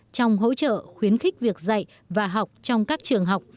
trong hỗ trợ khuyến khích việc dạy và học trong các trường học